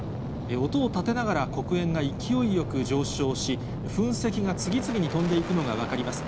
音を立てながら黒煙が勢いよく上昇し、噴石が次々に飛んでいくのが分かります。